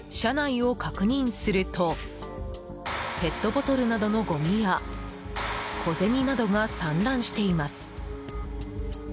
車内を確認するとペットボトルなどのごみや小銭などが散乱しています。